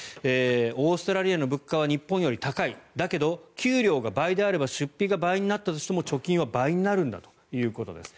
オーストラリアの物価は日本より高いだけど給料が倍であれば出費が倍になったとしても貯金は倍になるんだということです。